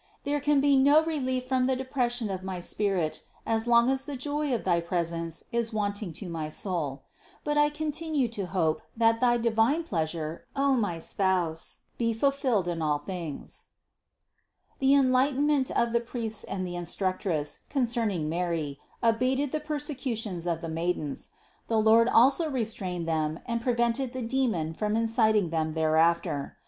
There can be no relief from the depression of my spirit as long as the joy of thy presence is wanting to my soul. But I continue to hope that thy divine pleasure, O my Spouse, be fulfilled in all things." 716. The enlightenment of the priests and the in structress concerning Mary abated the persecutions of the maidens. The Lord also restrained them and pre vented the demon from inciting them thereafter.